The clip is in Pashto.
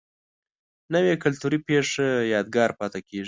نوې کلتوري پیښه یادګار پاتې کېږي